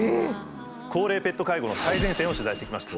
高齢ペット介護の最前線を取材してきました。